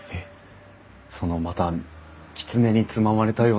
そのまたきつねにつままれたような謎かけ。